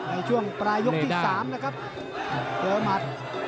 ในช่วงปลายยกที่๓นะครับเจอหมัด